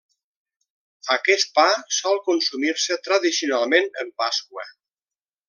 Aquest pa sol consumir-se tradicionalment en Pasqua.